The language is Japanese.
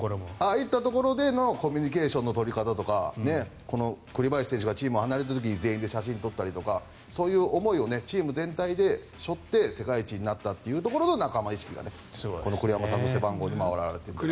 ああいったところでのコミュニケーションの取り方とかこの栗林選手がチームを離れていた時に全員で写真を撮っていたとかそういうチーム全体の思いを背負って世界一になったというところの仲間意識が栗山監督の背番号にも表れているのかなと。